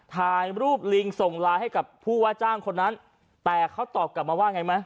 ถ่ายรูปลิงส่งไลน์ให้กับผู้ว่าจ้างคนนั้นแต่เขาตอบกลับมาว่าไงไหม